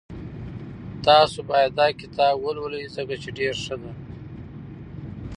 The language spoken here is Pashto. تاسو باید داکتاب ولولئ ځکه چی ډېر ښه ده